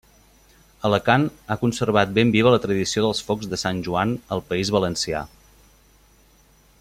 Alacant ha conservat ben viva la tradició dels focs de Sant Joan al País Valencià.